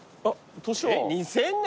２０００年？